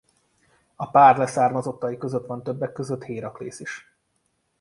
A pár leszármazottai között van többek között Héraklész is.